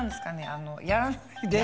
あのやらないで。